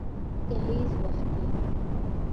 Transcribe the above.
گهيځ وختي